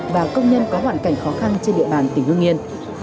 và công nhân có hoạn cảnh khó khăn trên địa bàn tỉnh hưng yên